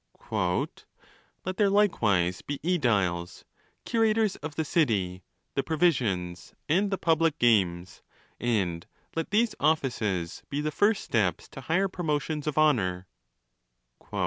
a * Let there likewise be ediles, curators of the city, the pro visions, and the public' games, and let these offices be the first steps to higher promotions of honour.